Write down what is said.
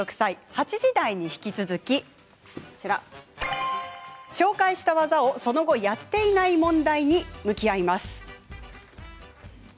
８時台に引き続き紹介した技をその後やっていない問題に向き合います。